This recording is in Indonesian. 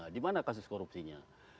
di mana kasus korupsinya